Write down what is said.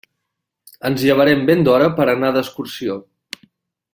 Ens llevarem ben d'hora per anar d'excursió.